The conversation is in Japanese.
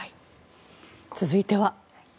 続いては。